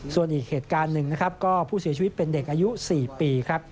ส่วนอีกเหตุการณ์หนึ่งนะครับก็ผู้เสียชีวิตเป็นเด็กอายุ๔ปีครับ